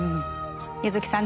柚木さん